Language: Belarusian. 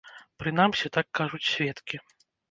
Прынамсі, так кажуць сведкі.